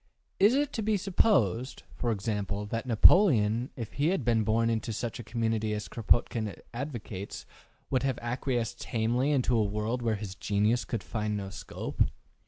Is it to be supposed, for example, that Napoleon, if he had been born into such a community as Kropotkin advocates, would have acquiesced tamely in a world where his genius could find no scope?